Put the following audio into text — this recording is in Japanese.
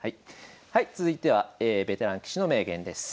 はい続いてはベテラン棋士の名言です。